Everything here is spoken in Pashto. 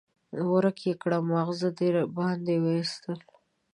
ورک يې کړه؛ ماغزه دې باندې واېستل.